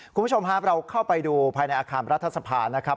คุณผู้ชมครับเราเข้าไปดูภายในอาคารรัฐสภานะครับ